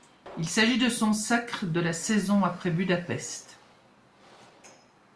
Il s'agit de son sacre de la saison après Budapest.